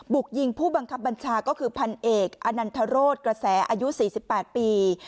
บุกยิงผู้บังคับบัญชาก็คือพันเอกอนันทรศกระแสอายุ๔๘ปี